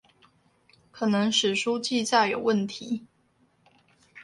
可能史書記載有問題